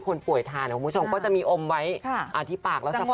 ทุกคนป่วยทานคุณผู้ชมก็จะมีอมไว้ที่ปากแล้วจะปากก้อ